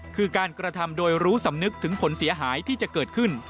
คือการกระทำโดยรู้สำนึกถึงผลเสียหายที่จะเกิดขึ้น